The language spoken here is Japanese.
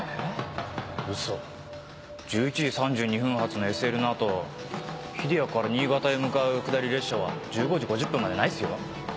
ウソ１１時３２分発のＳＬのあと日出谷から新潟へ向かう下り列車は１５時５０分までないっすよ。